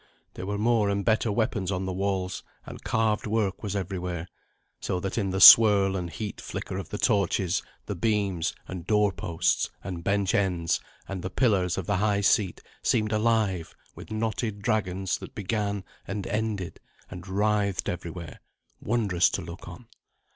There were more and better weapons on the walls, and carved work was everywhere, so that in the swirl and heat flicker of the torches the beams, and door posts, and bench ends, and the pillars of the high seat seemed alive with knotted dragons that began, and ended, and writhed everywhere, wondrous to look on.